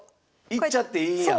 いっちゃっていいんや？